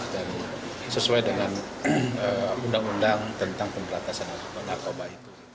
dan sesuai dengan undang undang tentang pemerintahan narkoba itu